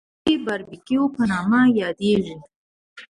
د دوبۍ باربکیو په نامه یادېږي.